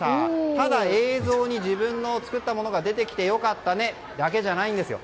ただ、映像に自分の作ったものが出てきてよかったねだけじゃないんですよ。